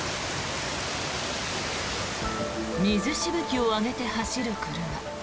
水しぶきを上げて走る車。